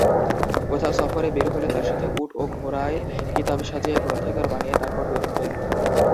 কোথাও সফরে বের হলে সাথে উট ও ঘোড়ায় কিতাব সাজিয়ে গ্রন্থাগার বানিয়ে তারপর বের হতেন।